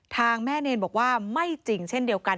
ทางแม่เนรบอกว่าไม่จริงเช่นเดียวกัน